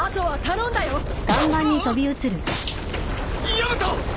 ヤマト！